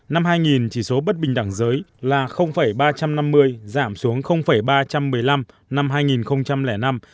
năm hai nghìn chỉ số bất bình đẳng giới là ba trăm năm mươi giảm xuống ba trăm một mươi năm năm hai nghìn năm